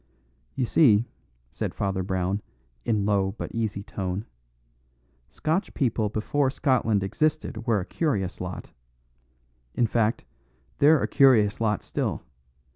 "You see," said Father Brown in low but easy tone, "Scotch people before Scotland existed were a curious lot. In fact, they're a curious lot still.